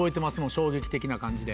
衝撃的な感じで。